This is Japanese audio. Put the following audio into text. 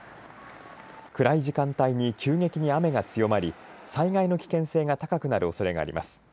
暗い時間帯に急激に雨が強まり災害の危険性が高くなるおそれがあります。